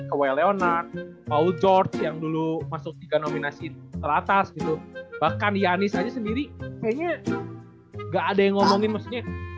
kawe leonard paul george yang dulu masuk tiga nominasi teratas gitu bahkan yanis aja sendiri kayaknya ga ada yang ngomongin maksudnya